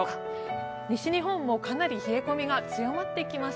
西日本もかなり冷え込みが強まってきます。